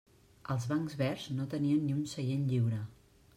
Els bancs verds no tenien ni un seient lliure.